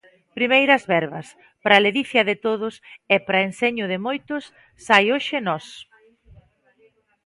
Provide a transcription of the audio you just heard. Primeiras verbas: "Pra ledicia de todos e pra enseño de moitos, sai hoxe Nós".